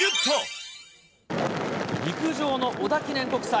陸上の織田記念国際。